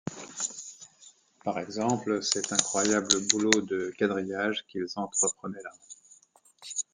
Par exemple, cet incroyable boulot de quadrillage qu’ils entreprenaient là.